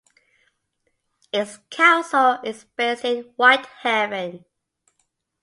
Its council is based in Whitehaven.